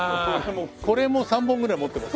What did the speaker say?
これも３本ぐらい持ってます。